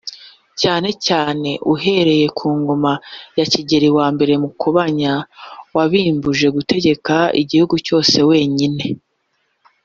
cyane cyane guhera ku ngoma ya Kigeli I Mukobanya wabimbuje gutegeka igihugu cyose wenyine